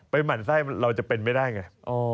หมั่นไส้เราจะเป็นไม่ได้ไง